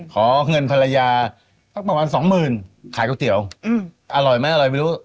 ขอเงินภรรยาสักประมาณสองหมื่นขายก๋วยเตี๋ยวอร่อยไหมอร่อยไม่รู้